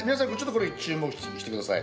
これ注目してください。